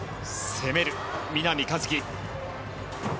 攻める南一輝。